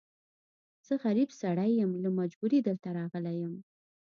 زه غريب سړی يم، له مجبوری دلته راغلی يم.